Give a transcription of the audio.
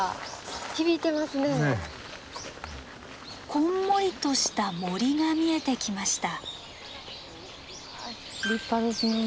こんもりとした森が見えてきました。